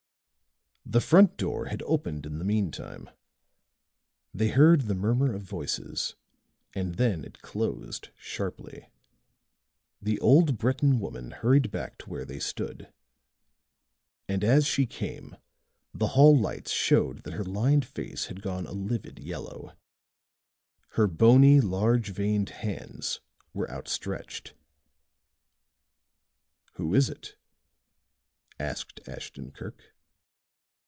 The front door had opened in the meantime; they heard the murmur of voices and then it closed sharply. The old Breton woman hurried back to where they stood; and as she came the hall lights showed that her lined face had gone a livid yellow; her bony, large veined hands were outstretched. "Who is it?" asked Ashton Kirk.